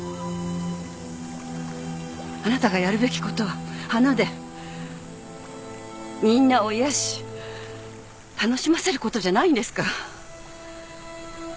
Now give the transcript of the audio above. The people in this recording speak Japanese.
あなたがやるべきことは花でみんなを癒やし楽しませることじゃないんですか？